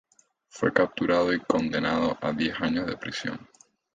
Fue capturado y condenado a diez años de prisión.